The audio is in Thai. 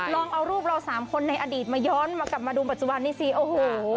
ลองเอารูปเราสามคนในอดีตมาย้อนมากลับมาดูปัจจุบันนี้สิโอ้โห